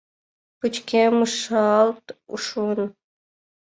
Пычкемышалт шуын.